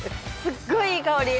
すっごいいい香り。